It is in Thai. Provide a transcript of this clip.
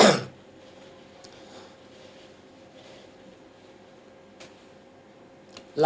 ให้ต้องที่หะหะ